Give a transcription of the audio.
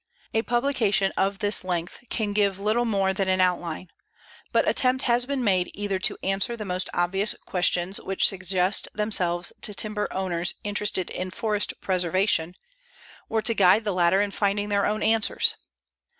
A publication of this length can give little more than an outline, but attempt has been made either to answer the most obvious questions which suggest themselves to timber owners interested in forest preservation or to guide the latter in finding their own answers.